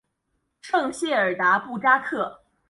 圣谢尔达布扎克。